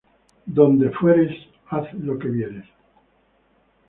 Donde fueres, haz lo que vieres